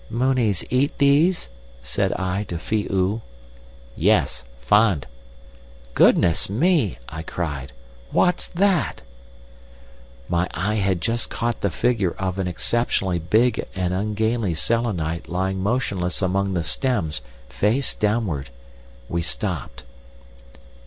"'Mooneys eat these?' said I to Phi oo. "'Yes, food.' "'Goodness me!' I cried; 'what's that?' "My eye had just caught the figure of an exceptionally big and ungainly Selenite lying motionless among the stems, face downward. We stopped.